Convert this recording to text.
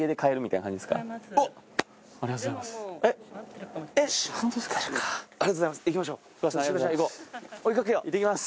ありがとうございます。